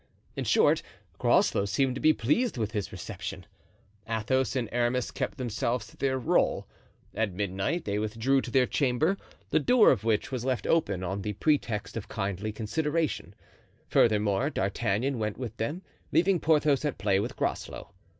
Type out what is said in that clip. In short, Groslow seemed to be pleased with his reception. Athos and Aramis kept themselves to their role. At midnight they withdrew to their chamber, the door of which was left open on the pretext of kindly consideration. Furthermore, D'Artagnan went with them, leaving Porthos at play with Groslow.